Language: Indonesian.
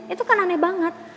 itu kan aneh banget